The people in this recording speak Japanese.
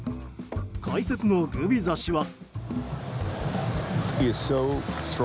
解説のグビザ氏は。